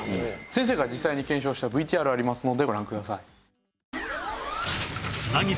先生が実際に検証したＶＴＲありますのでご覧ください。